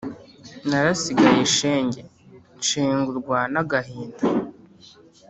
narasigaye, shenge, nshengurwa n'agahinda